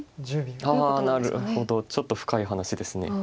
あなるほどちょっと深い話ですね。